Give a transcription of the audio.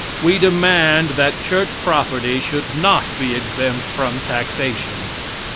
We demand that church property should not be exempt from taxation.